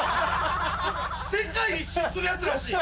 世界１周するやつらしい。